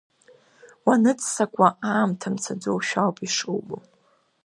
Уаныццакуа аамҭа мцаӡошәа ауп ишубо.